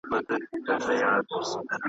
او له دغه امله یې .